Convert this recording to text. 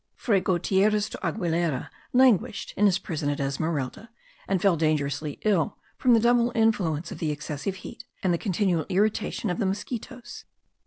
Fray Gutierez do Aguilera languished in his prison at Esmeralda, and fell dangerously ill from the double influence of the excessive heat, and the continual irritation of the mosquitos.